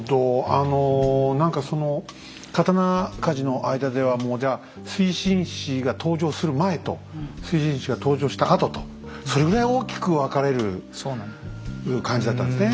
あの何かその刀鍛冶の間ではもうじゃ水心子が登場する前と水心子が登場したあととそれぐらい大きく分かれる感じだったんですね。